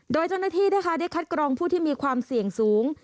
โดยเจ้าหน้าที่นะคะได้คัดกรองผู้ที่มีความเสี่ยงสูง